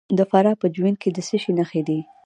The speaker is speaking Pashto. د فراه په جوین کې د څه شي نښې دي؟